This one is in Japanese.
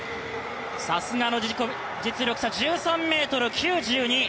さすがの実力者、１３ｍ９２。